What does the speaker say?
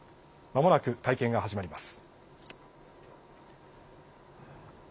まもなく会見が始まります。